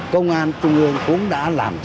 công an trung ương cũng đã làm